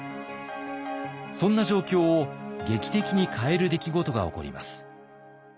そんな状況を劇的に変える出来事が起こります。